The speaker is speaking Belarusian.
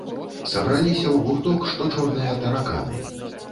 Сабраліся ў гурток, што чорныя тараканы.